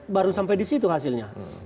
baru sampai di situ hasilnya